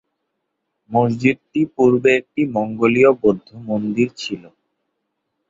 মসজিদটি পূর্বে একটি মঙ্গোলিয় বৌদ্ধ মন্দির ছিল।